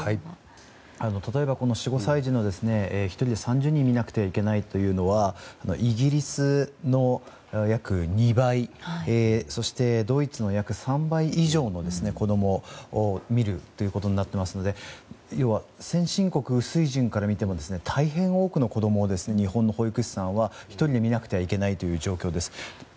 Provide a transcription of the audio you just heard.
例えば、この４５歳児の１人で３０人見なくてはいけないというのはイギリスの約２倍そして、ドイツの約３倍以上の子供を見るということになっていますので要は先進国水準から見ても大変多くの子供を日本の保育士さんは１人で見なきゃいけない状況です。